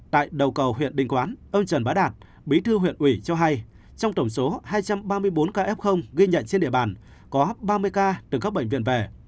tại đầu cầu huyện đình quán ông trần bá đạt bí thư huyện ủy cho hay trong tổng số hai trăm ba mươi bốn ca f ghi nhận trên địa bàn có ba mươi ca từ các bệnh viện về